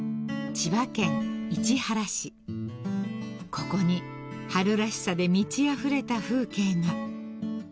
［ここに春らしさで満ちあふれた風景が］